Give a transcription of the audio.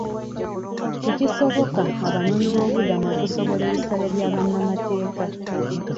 Tekisoboka abanoonyi b'obubudamu okusobola ebisale bya bannamateeka.